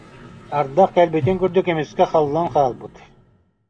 Ардах кэлбитин курдук эмискэ халлан хаалбыт